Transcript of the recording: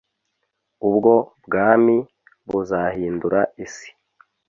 ubwo bwami buzahindura isi